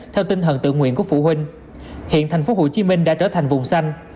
theo tinh thần tự nguyện của phụ huynh hiện tp hcm đã trở thành vùng xanh